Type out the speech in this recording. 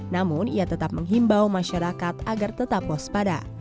namun ia tetap menghimbau masyarakat agar tetap waspada